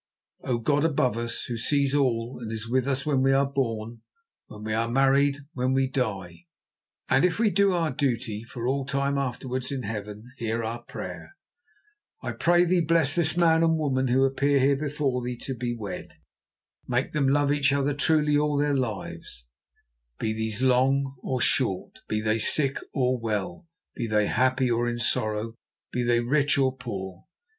"O God above us, Who sees all and is with us when we are born, when we are married, when we die, and if we do our duty for all time afterwards in Heaven, hear our prayer. I pray Thee bless this man and this woman who appear here before Thee to be wed. Make them love each other truly all their lives, be these long or short, be they sick or well, be they happy or in sorrow, be they rich or poor.